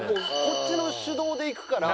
こっちの主導でいくから。